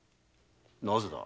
なぜだ。